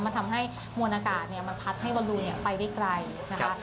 มันทำให้มวลอากาศมันพัดให้บอลลูนไปได้ไกลนะคะ